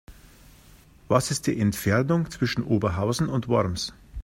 Was ist die Entfernung zwischen Oberhausen und Worms?